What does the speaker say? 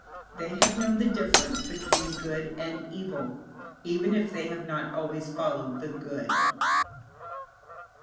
They have known the difference between good and evil, even if they have not always followed the good.